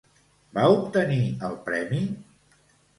Va obtenir el premi?